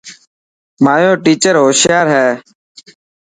مايو ٽيچر هوشيار هي.